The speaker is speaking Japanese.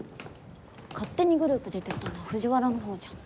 勝手にグループ出てったのは藤原の方じゃん。